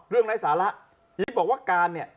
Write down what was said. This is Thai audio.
ไร้สาระอีฟบอกว่าการเนี่ย